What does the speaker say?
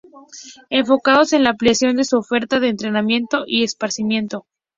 Enfocados en la ampliación de su oferta de entrenamiento y esparcimiento.